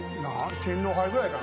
天皇杯ぐらいかな。